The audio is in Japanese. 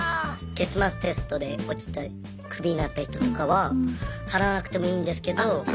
月末テストで落ちてクビになった人とかは払わなくてもいいんですけど。